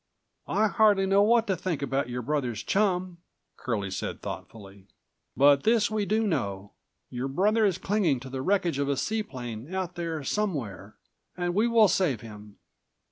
"I hardly know what to think about your brother's chum," Curlie said thoughtfully. "But this we do know: Your brother is clinging to the wreckage of a seaplane out there somewhere. And we will save him.